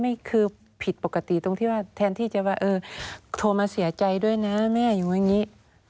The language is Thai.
ไม่คือผิดปกติแทนที่จะโทรมาเสียใจด้วยนะแม่อยู่อย่างงี้